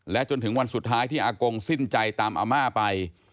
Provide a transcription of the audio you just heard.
จนถึงวันสุดท้ายที่อากงสิ้นใจตามอาม่าไป